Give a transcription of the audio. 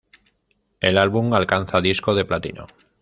El álbum alcanza disco de platino.